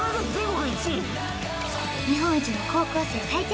日本一の高校生最強